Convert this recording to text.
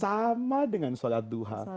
sama dengan sholat duha